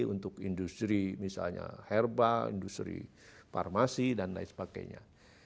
untuk industri misalnya herba industri farmasi dan lain sebagainya